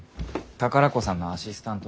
宝子さんのアシスタントでな。